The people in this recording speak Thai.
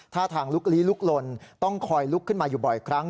ท่าทางลุกลี้ลุกลนต้องคอยลุกขึ้นมาอยู่บ่อยครั้ง